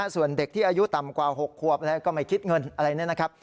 ส่วนเด็กที่อายุต่ำกว่า๖ควบอะไรก็ไม่คิดเงินอะไรเนี่ยนะครับ